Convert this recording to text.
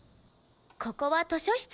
ここは図書室。